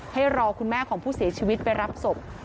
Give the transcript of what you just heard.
ให้รอคุณแม่ของผู้เสียชีวิตไปรับศพ